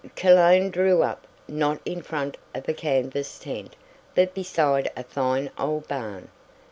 Cologne drew up, not in front of a canvas tent, but beside a fine old barn.